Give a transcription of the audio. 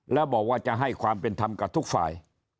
แล้วบอกว่าจะให้ความเป็นธรรมกับทุกฝ่าย